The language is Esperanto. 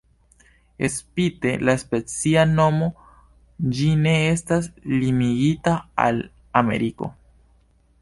Spite la specia nomo, ĝi ne estas limigita al Ameriko.